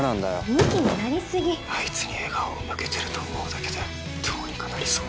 むきになりすぎあいつに笑顔を向けてると思うだけでどうにかなりそう